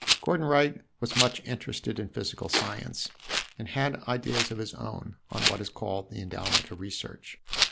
Gordon Wright was much interested in physical science, and had ideas of his own on what is called the endowment of research.